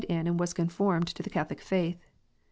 in and was conformed to the Catholic Faith.